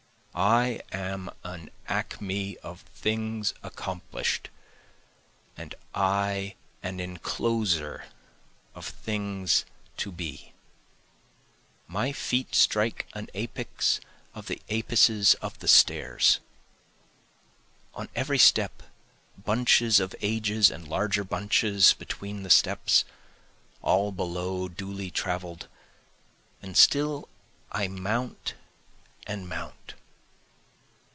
I am an acme of things accomplish'd, and I an encloser of things to be. My feet strike an apex of the apices of the stairs, On every step bunches of ages, and larger bunches between the steps, All below duly travel'd, and still I mount and mount.